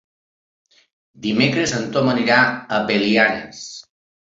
Dimecres en Ton anirà a Belianes.